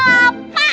minum es kelapaan